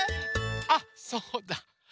あっそうだ！